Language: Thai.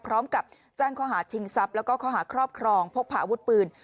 พร้อมกับจ้างคอหาชิงสับแล้วก็คอหาครอบครองพวกผ่าอวุธปืน